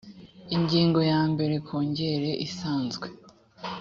ingingo ya mbere kongere isanzwe